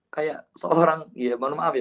kayak seorang ya mohon maaf ya